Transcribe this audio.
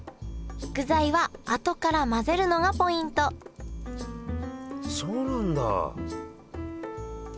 具材はあとから混ぜるのがポイントそうなんだ。